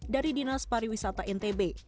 dari dinas pariwisata ntb